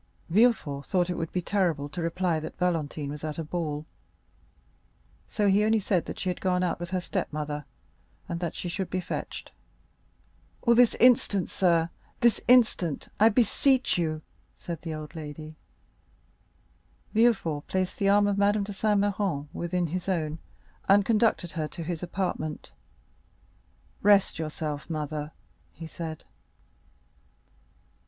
30315m Villefort thought it would be terrible to reply that Valentine was at a ball; so he only said that she had gone out with her step mother, and that she should be fetched. "This instant, sir—this instant, I beseech you!" said the old lady. Villefort placed the arm of Madame de Saint Méran within his own, and conducted her to his apartment. "Rest yourself, mother," he said.